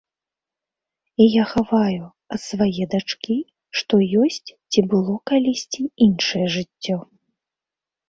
І я хаваю ад свае дачкі, што ёсць ці было калісьці іншае жыццё.